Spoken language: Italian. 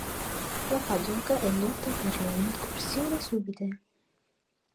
La pagoda è nota per le incursioni subite.